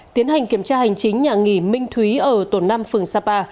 tiến hành kiểm tra hành chính nhà nghỉ minh thúy ở tổn nam phường sapa